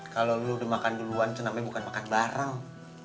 kalau lu udah makan duluan kenangnya bukan makan bareng